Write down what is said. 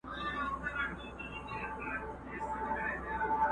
پر مردارو وي راټول پر لویو لارو!!